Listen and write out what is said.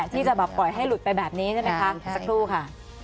ที่จะแบบปล่อยให้หลุดไปแบบนี้ใช่ไหมคะสักครู่ค่ะ